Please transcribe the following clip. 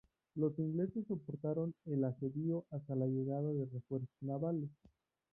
Los ingleses soportaron el asedio hasta la llegada de refuerzos navales.